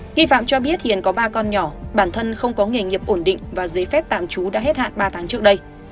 nghi phạm cho biết hiện có ba con nhỏ bản thân không có nghề nghiệp ổn định và giấy phép tạm trú đã hết hạn ba tháng trước đây